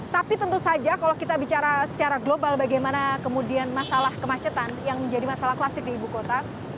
tapi tentu saja kalau kita bicara secara global bagaimana kemudian masalah kemacetan yang menjadi masalah klasik di ibu kota